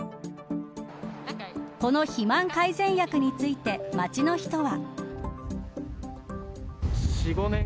この肥満改善薬について街の人は。